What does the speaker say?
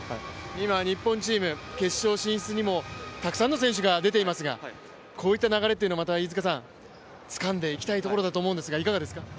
今日本チーム、決勝進出にもたくさんのチームが出てきていますが、こういった流れというのはつかんでいきたいと思うんですがいかがですか。